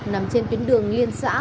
nằm trên tuyến đường nguyên xã